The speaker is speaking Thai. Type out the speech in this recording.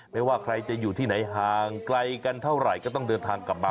ไม่ว่าใครจะอยู่ที่ไหนห่างไกลกันเท่าไหร่ก็ต้องเดินทางกลับมา